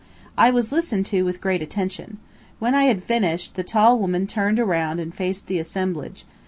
I was listened to with great attention. When I had finished, the tall woman turned around and faced the assemblage.